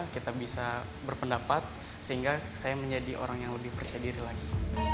kita bisa berpendapat sehingga saya menjadi orang yang lebih percaya diri lagi